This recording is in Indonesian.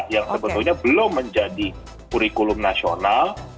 yang sebetulnya belum menjadi kurikulum nasional